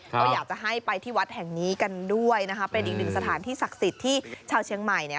ก็อยากจะให้ไปที่วัดแห่งนี้กันด้วยนะคะเป็นอีกหนึ่งสถานที่ศักดิ์สิทธิ์ที่ชาวเชียงใหม่เนี่ย